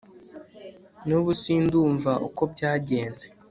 nubu sindumva uko byagenze